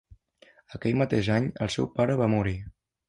Aquell mateix any, el seu pare va morir.